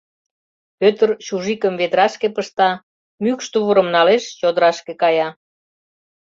Пӧтыр чужикым ведрашке пышта, мӱкш тувырым налеш, чодырашке кая.